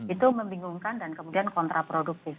itu membingungkan dan kemudian kontraproduktif